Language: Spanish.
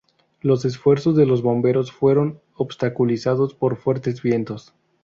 Los esfuerzos de los bomberos fueron obstaculizados por fuertes vientos.